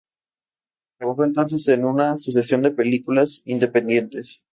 Trabajó entonces en una sucesión de películas independientes.